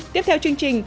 tiếp theo chương trình